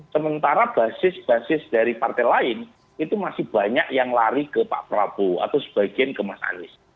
sementara basis basis dari partai lain itu masih banyak yang lari ke pak prabowo atau sebagian ke mas anies